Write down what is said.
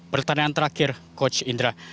pertanyaan terakhir coach indra